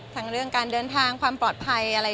ทั้งเรื่องการเดินทางความปลอดภัยอะไร